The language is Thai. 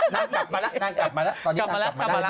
นางกลับมาแล้วนางกลับมาแล้ว